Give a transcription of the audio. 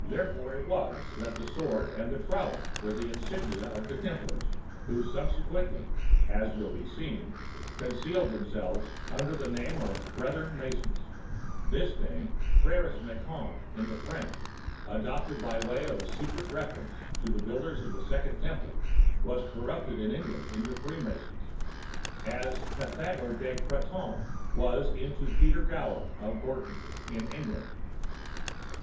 Therefore it was that the Sword and the Trowel were the insignia of the Templars, who subsequently, as will be seen, concealed themselves under the name of Brethren Masons. [This name, Fr├©res Ma├¦ons in the French, adopted by way of secret reference to the Builders of the Second Temple, was corrupted in English into Free Masons, as Pythagore de Crotone was into Peter Gower of Groton in England.